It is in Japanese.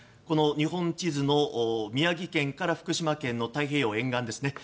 この日本地図の宮城県から福島県の太平洋沿岸。